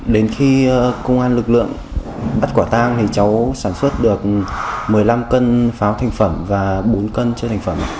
đến khi công an lực lượng bắt quả tàng cháu sản xuất được một mươi năm cân pháo thành phẩm và bốn cân chế thành phẩm